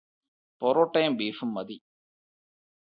പൊറൊട്ടേം ബീഫൂം മതി.